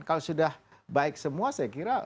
kalau sudah baik semua saya kira